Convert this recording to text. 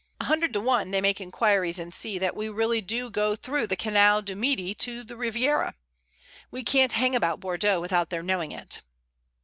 A hundred to one they make inquiries and see that we really do go through the Canal du Midi to the Riviera. We can't hang about Bordeaux without their knowing it."